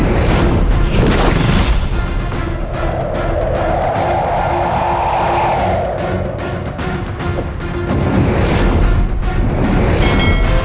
jangan submarine jangan ber titus